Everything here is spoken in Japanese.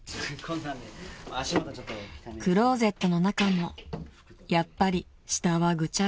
［クローゼットの中もやっぱり下はぐちゃぐちゃ］